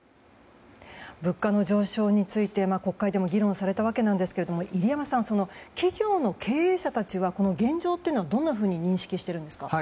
物価の上昇について国会でも議論されたわけですが入山さん企業の経営者たちはこの現状をどう認識しているんですか？